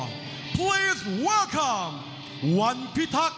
มาจากอำเภอนวลสะอาดจังหวัดอุบัญราชธานี